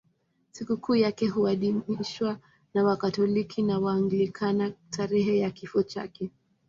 Sikukuu yake huadhimishwa na Wakatoliki na Waanglikana tarehe ya kifo chake.